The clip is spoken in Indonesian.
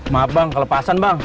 maaf bang kelepasan bang